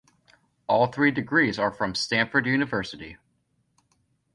All three degrees are from Stanford University.